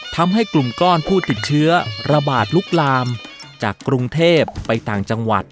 ทำให้กลุ่มก้อนผู้ติดเชื้อระบาดลุกลามจากกรุงเทพไปต่างจังหวัด